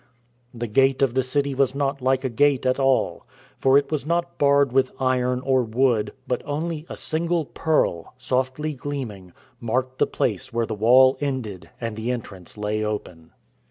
The gate of the city was not like a gate a all, for it was not barred with iron or wood, but only a single pearl, softly gleaming, marked the place where the wall ended and the entrance lay open.